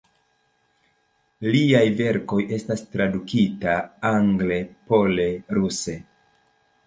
Liaj verkoj estas tradukitaj angle, pole, ruse.